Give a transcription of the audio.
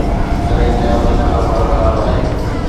تڏهن چيائون ته ڪاروبار خراب آهي.